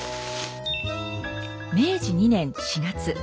明治２年４月。